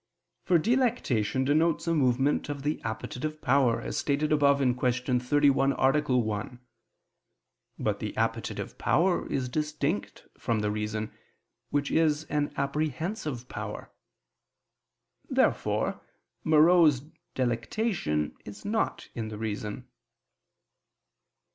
For delectation denotes a movement of the appetitive power, as stated above (Q. 31, A. 1). But the appetitive power is distinct from the reason, which is an apprehensive power. Therefore morose delectation is not in the reason.